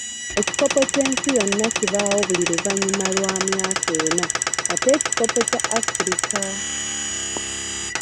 Ekikopo ky'ensi yonna kibaawo buli luvannyuma lwa myaka ena ate ekikopo kya Afirika?